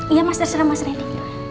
iya mas terserah mas reni